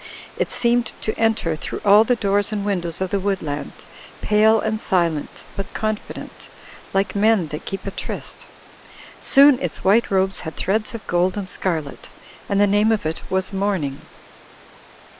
It seemed to enter through all the doors and windows of the woodland, pale and silent but confident, like men that keep a tryst; soon its white robes had threads of gold and scarlet: and the name of it was morning.